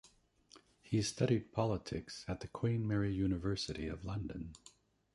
He studied politics at the Queen Mary University of London.